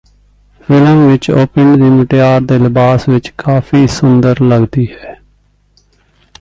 film ਵਿਚ ਉਹ ਪਿੰਡ ਦੀ ਮੁਟਿਆਰ ਦੇ ਲਿਬਾਸ ਵਿਚ ਕਾਫੀ ਸੁੰਦਰ ਲੱਗਦੀ ਹੈ